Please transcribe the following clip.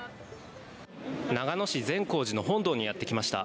長野市・善光寺の本堂にやってきました。